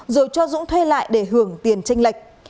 rồi cho dũng thuê lại để hưởng tiền tranh lệch